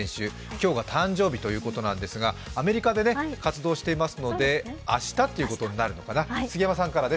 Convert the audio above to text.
今日が誕生日ということなんですが、アメリカで活動していますので明日ということになるのかな。